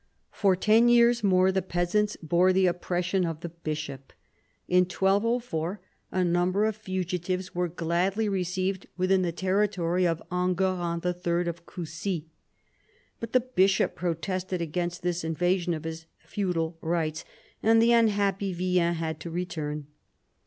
For ten years more the peasants bore the oppression of the bishop. In 1204 a number of fugitives were gladly received within the territory of Enguerran III. of Couci ; but the bishop protested against this in vasion of his feudal rights, and the unhappy villeins had to return.